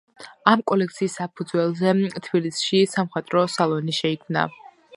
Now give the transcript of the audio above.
ამ კოლექციის საფუძველზე, თბილისში „სამხატვრო სალონი“ შეიქმნა.